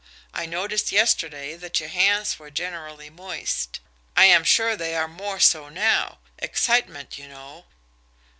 I noticed yesterday that your hands were generally moist. I am sure they are more so now excitement, you know.